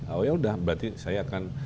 oh ya udah berarti saya akan